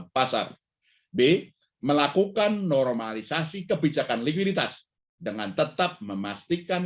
pasar b melakukan normalisasi kebijakan likuiditas dengan tetap memastikan